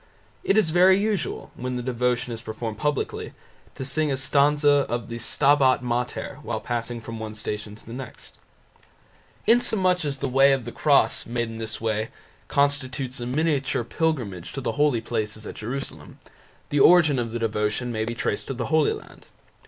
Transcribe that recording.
It is very usual, when the devotion is performed publicly, to sing a stanza of the "Stabat Mater" while passing from one Station to the next. Inasmuch as the Way of the Cross, made in this way, constitutes a miniature pilgrimage to the holy places at Jerusalem, the origin of the devotion may be traced to the Holy Land.